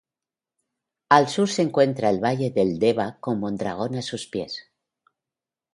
Al sur se encuentra el valle del Deba con Mondragón a sus pies.